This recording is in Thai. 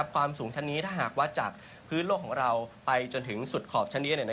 ความสูงชั้นนี้ถ้าหากวัดจากพื้นโลกของเราไปจนถึงสุดขอบชั้นนี้